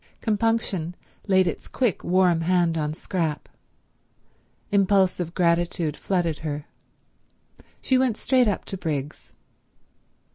Compunction laid its quick, warm hand on Scrap. Impulsive gratitude flooded her. She went straight up to Briggs.